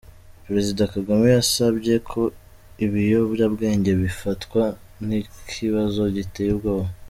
Perezida Kagame yasabye ko ibiyobyabwenge bifatwa nk’ikibazo giteye ubwoba.